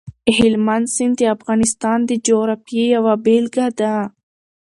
هلمند سیند د افغانستان د جغرافیې یوه بېلګه ده.